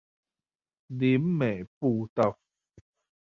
林美步道